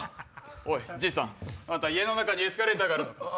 おいじいさん！あんた家の中にエスカレーターがあるのか？